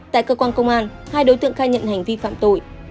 tại cơ quan công an hai đối tượng khai nhận hành vi phạm tội